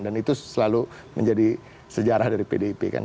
dan itu selalu menjadi sejarah dari pdip kan